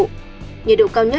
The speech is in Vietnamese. khu vực hoàng sa